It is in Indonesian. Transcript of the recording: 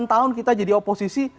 delapan tahun kita jadi oposisi